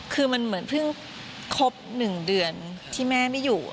คือมันเหมือนเพิ่งครบ๑เดือนที่แม่ไม่อยู่